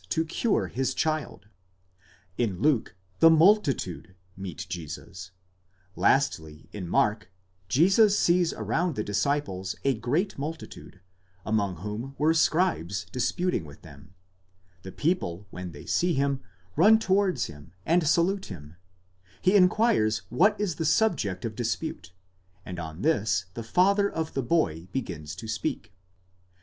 to cure his child ; in Luke, the mz/titude (ὄχλος) meet Jesus; lastly, in Mark, Jesus sees around the disciples a great multitude, among whom were scribes disputing with them; the people, when they see him, run towards him and salute him, he inquires what is the subject of dispute, and on this the father of the boy begins to speak.